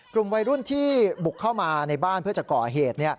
กลุ่มวัยรุ่นที่บุกเข้ามาในบ้านเพื่อจะก่อเหตุ